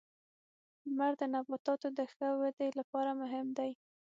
• لمر د نباتاتو د ښه ودې لپاره مهم دی.